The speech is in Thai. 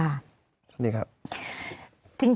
สวัสดีครับ